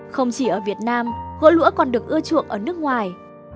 không chỉ ở việt nam gỗ lũa còn được ưa chuộng ở nước ngoài